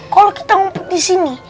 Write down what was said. kalau kita ngumpet disini